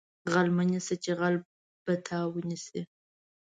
غل مه نیسه چې غل به تا ونیسي